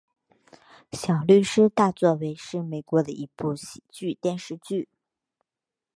小律师大作为是美国的一部喜剧电视剧。